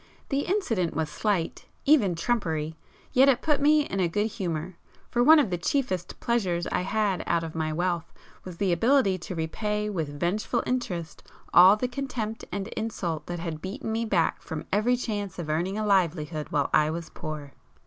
The incident was slight, even trumpery,—yet it put me in a good humour, for one of the chiefest pleasures I had out of my wealth was the [p 167] ability to repay with vengeful interest all the contempt and insult that had beaten me back from every chance of earning a livelihood while I was poor.